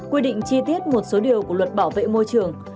quy định chi tiết một số điều của luật bảo vệ môi trường